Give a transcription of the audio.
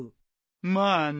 まあね。